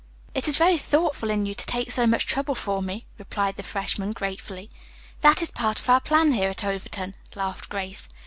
"It is very thoughtful in you to take so much trouble for me," replied the freshman gratefully. "That is part of our plan here at Overton," laughed Grace.